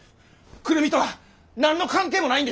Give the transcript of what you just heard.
久留美とは何の関係もないんです！